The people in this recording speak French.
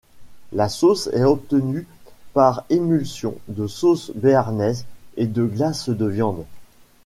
La sauce est obtenue par émulsion de sauce béarnaise et de glace de viande.